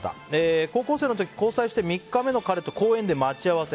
高校生の時交際して３日目の彼と公園で待ち合わせ。